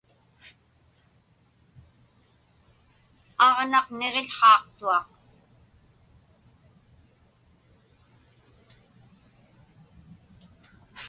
Aġnaq niġił̣haaqtuaq.